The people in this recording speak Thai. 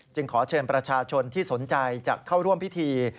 ขอเชิญประชาชนที่สนใจจะเข้าร่วมพิธี